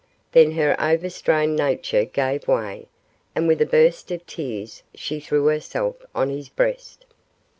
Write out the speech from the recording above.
Then her overstrained nature gave way, and with a burst of tears she threw herself on his breast.